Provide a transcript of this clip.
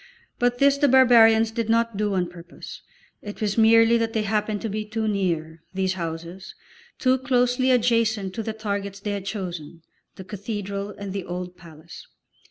But this the barbarians did not do on purpose; it was merely that they happened to be too near, these houses, too closely adjacent to the targets they had chosen, the cathedral and the old palace.